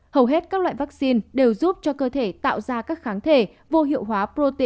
hầu hết các loại vaccine đều giúp cho cơ thể tạo ra các kháng thể vô hiệu hóa prote